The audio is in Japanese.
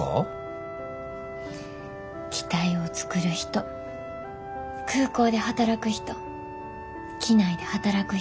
機体を作る人空港で働く人機内で働く人。